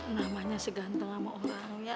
namanya seganteng sama orangnya